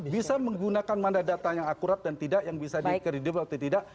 bisa menggunakan mana data yang akurat dan tidak yang bisa di kredibel atau tidak